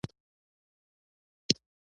شکر کول د نعمتونو د زیاتوالي لامل دی.